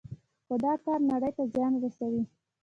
خو دا کار نړۍ ته زیان رسوي.